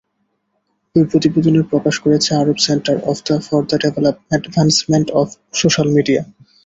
ওই প্রতিবেদনের প্রকাশ করেছে Arab Center for the Advancement of Social media.